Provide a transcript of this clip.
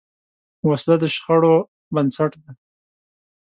وسله د شخړو بنسټ ده